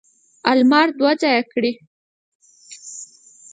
المار دوه ځایه کړي.